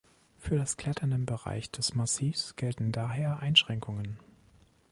Für das Klettern im Bereich des Massivs gelten daher Einschränkungen.